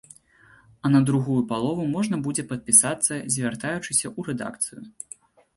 А на другую палову можна будзе падпісацца, звяртаючыся ў рэдакцыю.